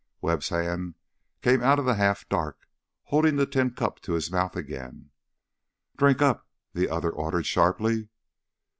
Webb's hand came out of the half dark, holding the tin cup to his mouth again. "Drink up!" the other ordered sharply.